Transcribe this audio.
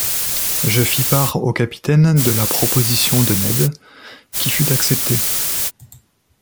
Je fis part au capitaine de la proposition de Ned, qui fut acceptée.